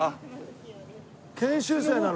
研修生なの？